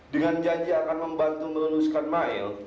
dengan janji akan membantu meluluskan mile